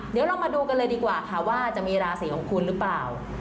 เดี๋ยวเรามาดูกันเลยดีกว่าค่ะว่าจะมีราศีของคุณหรือเปล่า